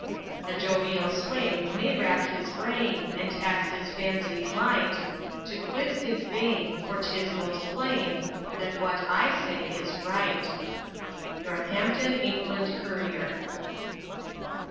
"A jovial swain may rack his brain, And tax his fancy's might; To quiz is vain, for 'tis most plain That what I say is right" Northampton (England) _Courier.